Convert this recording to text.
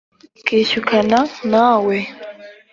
rikishyukana na we.